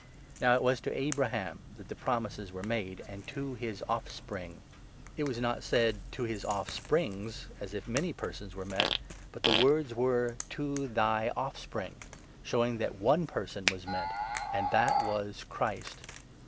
Now it was to Abraham that the promises were made, ' and to 16 his offspring.' It was not said ' to his offsprings,' as if many persons were meant, but the words were 'to thy offspring,' showing that one person was meant — and that was Christ.